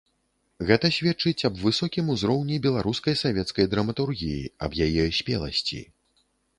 Гэта сведчыць аб высокім узроўні беларускай савецкай драматургіі, аб яе спеласці.